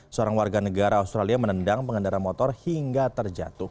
seorang warga negara australia menendang pengendara motor hingga terjatuh